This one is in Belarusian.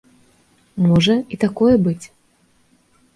Можа і такое быць.